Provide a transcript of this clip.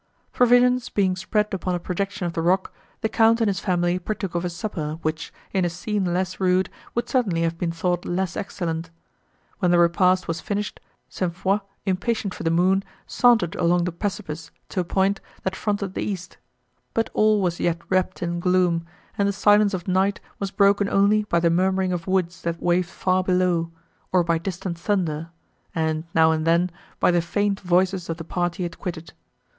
Provisions being spread upon a projection of the rock, the Count and his family partook of a supper, which, in a scene less rude, would certainly have been thought less excellent. When the repast was finished, St. Foix, impatient for the moon, sauntered along the precipice, to a point, that fronted the east; but all was yet wrapt in gloom, and the silence of night was broken only by the murmuring of woods, that waved far below, or by distant thunder, and, now and then, by the faint voices of the party he had quitted.